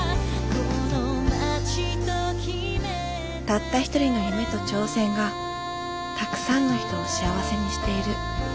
たった一人の夢と挑戦がたくさんの人を幸せにしている。